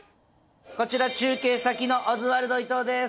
こちら中継先のオズワルド伊藤です